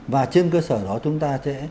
và trên cơ sở đó chúng ta sẽ